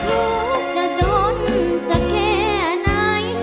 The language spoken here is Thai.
ทุกข์จะจนสักแค่ไหน